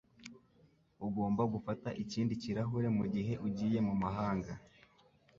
Ugomba gufata ikindi kirahure mugihe ugiye mumahanga.